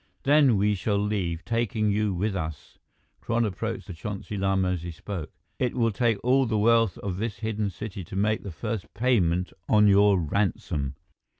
"Then we shall leave, taking you with us." Kron approached the Chonsi Lama as he spoke. "It will take all the wealth of this hidden city to make the first payment on your ransom."